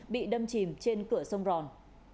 bị đâm chìm trên cửa sông ròn